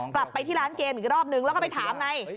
กลับไปที่ร้านเกมอีกรอบนึงแล้วก็ไปถามไง